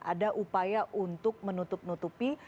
ada upaya untuk menutup nutupi